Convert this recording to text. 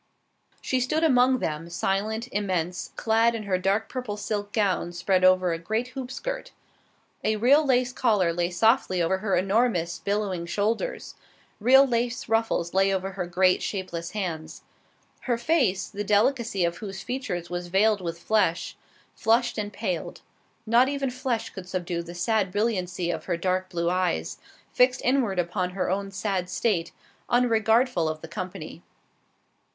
She stood among them, silent, immense, clad in her dark purple silk gown spread over a great hoopskirt. A real lace collar lay softly over her enormous, billowing shoulders; real lace ruffles lay over her great, shapeless hands. Her face, the delicacy of whose features was veiled with flesh, flushed and paled. Not even flesh could subdue the sad brilliancy of her dark blue eyes, fixed inward upon her own sad state, unregardful of the company.